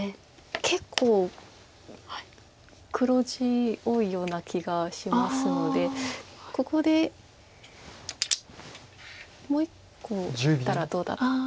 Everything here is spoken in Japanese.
結構黒地多いような気がしますのでここでもう１個いったらどうだったんですかね。